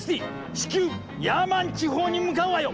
至急ヤーマン地方に向かうわよ！